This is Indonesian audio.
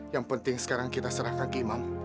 yang penting sekarang kita serahkan ke imam